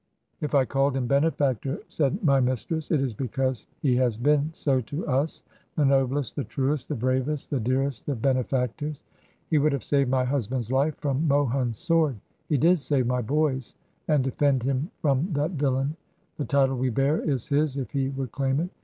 ' If I called him benefactor,' said my mistress, ' it is because he has been so to us — ^the noblest, 207 Digitized by VjOOQ IC ^^_ HEROINES OF FICTION the truest, the bravest, the dearest of benefactors. He would have saved my husband's Ufe from Mohun's sword. He did save my boy's, and defend him from that villain. ... The title we bear is his if he would claim it.